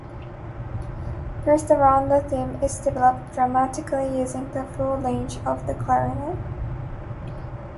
Here the rondo theme is developed dramatically, using the full range of the clarinet.